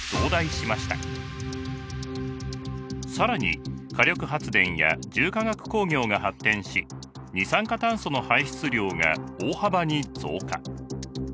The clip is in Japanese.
更に火力発電や重化学工業が発展し二酸化炭素の排出量が大幅に増加。